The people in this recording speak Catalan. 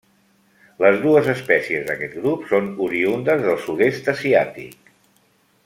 Les dues espècies d'aquest grup són oriündes del sud-est asiàtic.